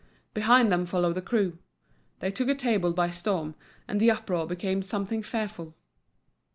Behind them followed the crew. They took a table by storm, and the uproar became something fearful.